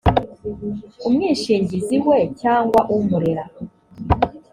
umwishingizi we cyangwa umurera